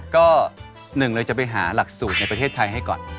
ก็หนึ่งเลยจะไปหาหลักสูตรในประเทศไทยให้ก่อน